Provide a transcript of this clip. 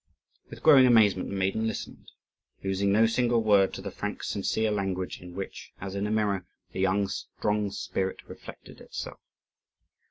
With growing amazement the maiden listened, losing no single word, to the frank, sincere language in which, as in a mirror, the young, strong spirit reflected itself.